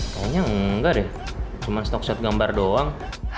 kayaknya enggak deh cuma stock shot gambar doang